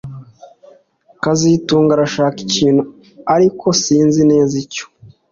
kazitunga arashaka ikintu ariko sinzi neza icyo